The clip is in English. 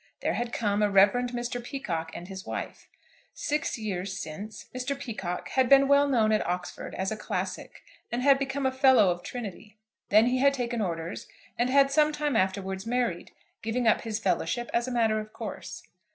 There had come a Rev. Mr. Peacocke and his wife. Six years since, Mr. Peacocke had been well known at Oxford as a Classic, and had become a Fellow of Trinity. Then he had taken orders, and had some time afterwards married, giving up his Fellowship as a matter of course.